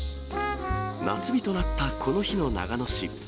夏日となったこの日の長野市。